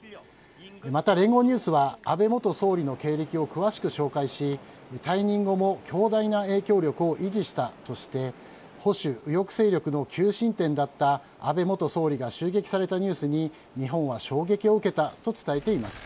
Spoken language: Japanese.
また聯合ニュースは安倍元総理の経歴を詳しく紹介し退任後も強大な影響力を維持したとして保守、右翼勢力の求心点だった安倍元総理が襲撃されたニュースに日本は衝撃を受けたと伝えています。